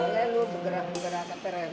ya lu bergerak gerak sampe res